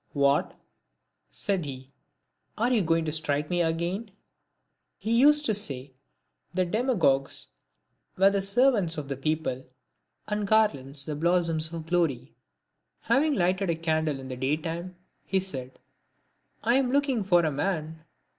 "What," said he, "are you going to strike me again?" He used to say that the demagogues were the ser vants of the people ; and garlands the blossoms of glory. Having lighted a candle in the day time, he said, " I am looking for a man."